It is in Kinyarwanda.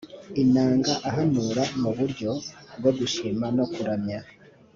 inanga ahanura mu buryo bwo gushima no kuramya